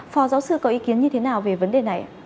phó giáo sư có ý kiến như thế nào về vấn đề này ạ